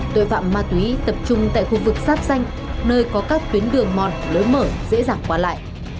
tội phạm ma túy tập trung tại khu vực giáp xanh nơi có các tuyến đường mòn lối mở dễ dàng qua lại